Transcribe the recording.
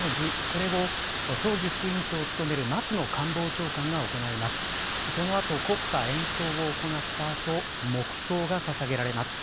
これを葬儀副委員長を務める松野官房長官が行います。